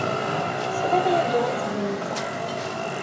Tesliḍ yagi i tezlit-a.